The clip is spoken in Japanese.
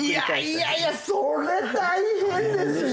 それ大変ですよ！